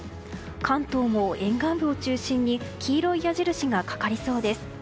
関東も沿岸部を中心に黄色い矢印がかかりそうです。